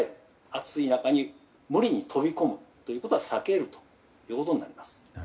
暑い中に無理に飛び込むということは避けるということになります。